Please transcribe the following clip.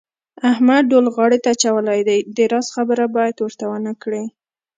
احمد ډول غاړې ته اچولی دی د راز خبره باید ورته ونه کړې.